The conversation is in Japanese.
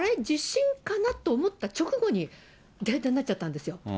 地震かなと思った直後に停電になっちゃったんですよ。